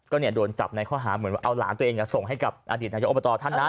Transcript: ก็เนี่ยโดนจับในข้อหาเหมือนว่าเอาหลานตัวเองส่งให้กับอดีตนายกอบตท่านนั้น